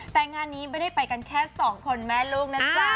แต่งานนี้ไม่ได้ไปกันแค่สองคนแม่ลูกนะจ๊ะ